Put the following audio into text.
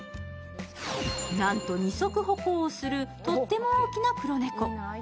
なんと二足歩行をするとっても大きな黒猫。